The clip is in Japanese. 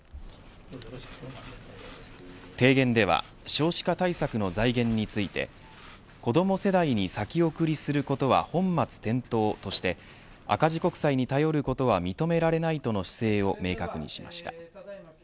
提言では少子化対策の財源についてこども世代に先送りすることは本末転倒として赤字国債に頼ることは認められないとの姿勢を明確にしました。